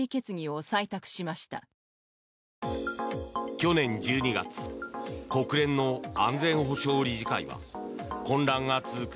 去年１２月国連の安全保障理事会は混乱が続く